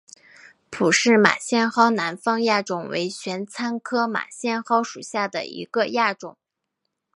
普氏马先蒿南方亚种为玄参科马先蒿属下的一个亚种。